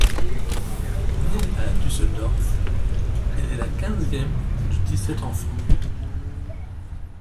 Née à Düsseldorf, elle est la quinzième de dix-sept enfants.